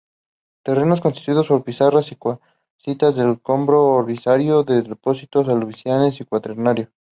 Terrenos constituidos por pizarras y cuarcitas del Cambro-Ordovícico y depósitos aluviales del Cuaternario.